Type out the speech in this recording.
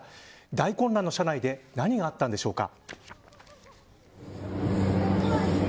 大混乱の車内で何があったんでしょうか。